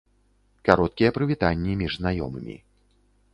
Кароткія прывітанні між знаёмымі.